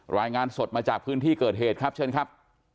รายงานสดมาจากพื้นที่เกิดเหตุครับเชิญครับ